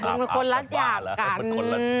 คุณเป็นคนรัดหยาบกัน